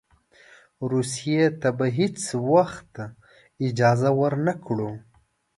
روسیې ته به هېڅ وخت اجازه ورنه کړو.